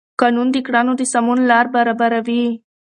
قانون د کړنو د سمون لار برابروي.